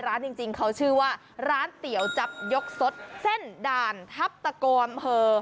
จริงเขาชื่อว่าร้านเตี๋ยวจับยกสดเส้นด่านทัพตะโกอำเภอ